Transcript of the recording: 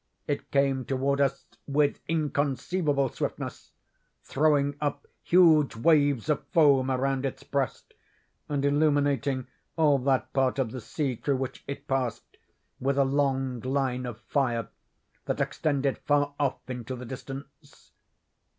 It came toward us with inconceivable swiftness, throwing up huge waves of foam around its breast, and illuminating all that part of the sea through which it passed, with a long line of fire that extended far off into the distance.